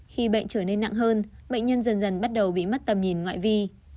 khi bệnh trở nên nặng hơn bệnh nhân dần dần bắt đầu bị mất tầm nhìn ngoại vi